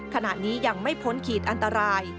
ขณะนี้ยังไม่พ้นขีดอันตราย